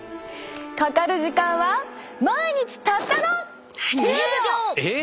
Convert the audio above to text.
かかる時間は毎日たったのえっ！